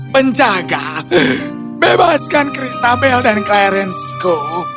penjaga bebaskan christabel dan clarenceku